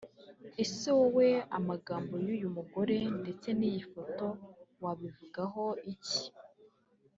Ese wowe amagambo y'uyu mugore ndetse n'iyi foto wabivugaho iki